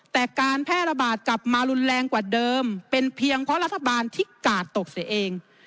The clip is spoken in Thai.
แต่การแพร่ระบาดกลับมารุนแรงกว่าเดิมเป็นเพียงเพราะรัฐบาลที่กาดตกเสียเอง